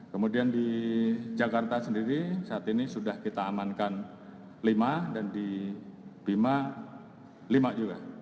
kemudian di jakarta sendiri saat ini sudah kita amankan lima dan di bima lima juga